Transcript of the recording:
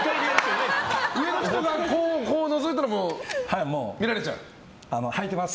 上の人がのぞいたらもう見られちゃう。